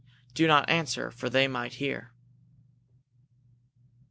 Do not answer, for they might hear."